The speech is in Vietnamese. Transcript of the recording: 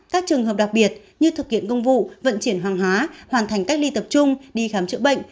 các trường hợp đặc biệt như thực hiện công vụ vận chuyển hàng hóa hoàn thành cách ly tập trung đi khám chữa bệnh